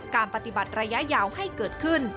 การปฏิบัติระยะยาวให้เกิดขึ้น